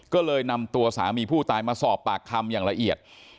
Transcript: ก็เลยนำตัวสามีผู้ตายมาสอบปากคำอย่างละเอียด